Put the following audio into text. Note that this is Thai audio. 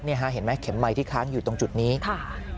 เห็นไหมเข็มไมค์ที่ค้างอยู่ตรงจุดนี้ค่ะ